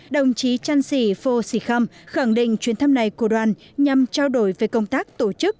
đồng chí trăn sỉ phô sỉ khâm khẳng định chuyến thăm này của đoàn nhằm trao đổi về công tác tổ chức